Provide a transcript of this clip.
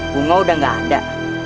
bunga udah gak ada